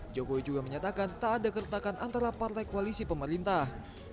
jokowi juga menyatakan tak ada keretakan antara partai koalisi pemerintah